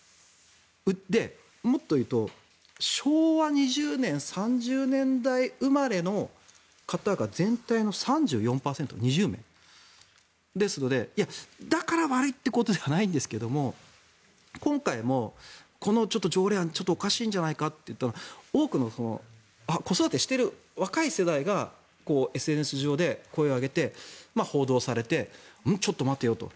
で、もっと言うと昭和２０年３０年代生まれの方が全体の３４％、２０名。だから悪いということではないんですが今回も、この条例案ちょっとおかしいんじゃないかと多くの子育てしてる若い世代がＳＮＳ上で声を上げて報道されてちょっと待てよと。